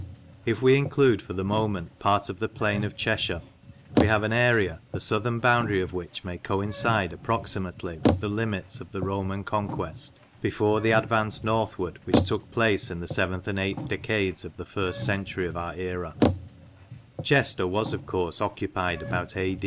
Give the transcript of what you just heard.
If we include for the moment part of the plain of Cheshire, we have an area, the southern boundary of which may coincide approximately with the limits of the Roman conquest before the advance northward which took place in the seventh and eighth decades of the first century of our era (Chester was, of course, occupied about A.